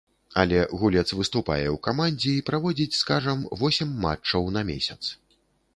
Але гулец выступае ў камандзе і праводзіць, скажам, восем матчаў на месяц.